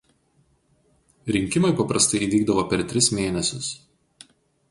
Rinkimai paprastai įvykdavo per tris mėnesius.